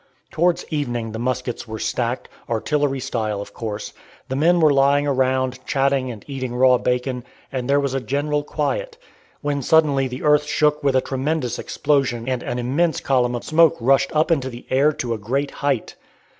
Towards evening the muskets were stacked, artillery style of course, the men were lying around, chatting and eating raw bacon, and there was general quiet, when suddenly the earth shook with a tremendous explosion and an immense column of smoke rushed up into the air to a great height.